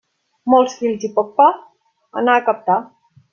Molts fills i poc pa, anar a captar.